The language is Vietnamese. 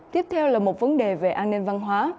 tiếp theo là một vấn đề về an ninh văn hóa